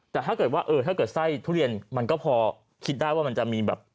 แต่ถ้าเกิดว่าเออถ้าเกิดไส้ทุเรียนมันก็พอคิดได้ว่ามันจะมีแบบ